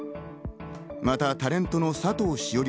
またタレントの佐藤栞